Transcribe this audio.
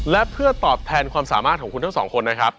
และเพื่อตอบแทนความสามารถของคุณทั้งสองคนนะครับ